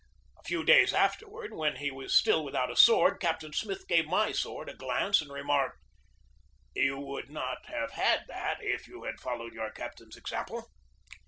A few days afterward, when he was still without a sword, Captain Smith gave my sword a glance and remarked : "You would not have had that if you had fol lowed your captain's example."